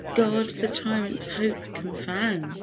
God the tyrant's hope confound!